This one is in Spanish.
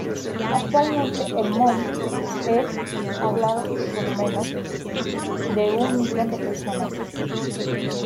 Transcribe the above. Actualmente el mon es hablado por menos de un millón de personas.